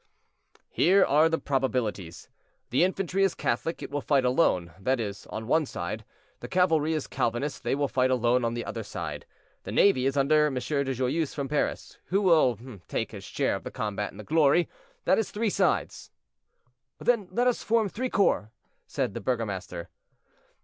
"Here are the probabilities. The infantry is Catholic; it will fight alone; that is, on one side. The cavalry is Calvinist; they will fight alone on another side. The navy is under M. de Joyeuse, from Paris, who will take his share of the combat and the glory. That is three sides." "Then let us form three corps," said the burgomaster.